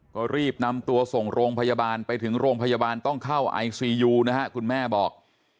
ก็รีบนำตัวส่งโรงพยาบาลไปถึงโรงพยาบาลต้องเข้าไอซียูนะฮะคุณแม่บอก